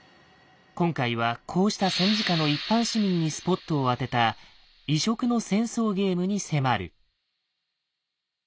今回はこうした戦時下の一般市民にスポットを当てた異色の戦争ゲームに迫る。